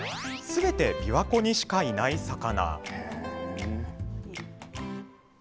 すべて、琵琶湖にしかいない魚。